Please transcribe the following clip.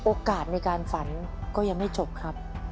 โอกาสในการฝันก็ยังไม่จบครับ